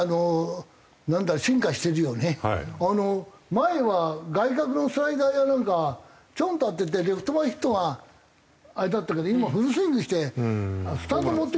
前は外角のスライダーやなんかはちょんと当ててレフト前ヒットがあれだったけど今フルスイングしてスタンド持っていくもん。